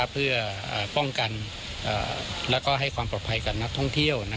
เพื่อป้องกันและให้ความปลอดภัยกับนักท่องเที่ยว